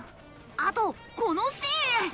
あとこのシーン。